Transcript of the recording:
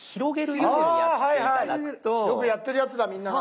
よくやってるやつだみんなが。